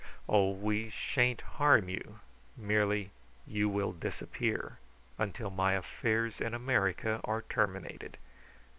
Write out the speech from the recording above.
Oh, we shan't harm you. Merely you will disappear until my affairs in America are terminated.